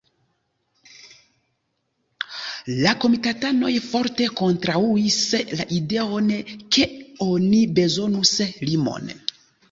La komitatanoj forte kontraŭis la ideon ke oni bezonus limon.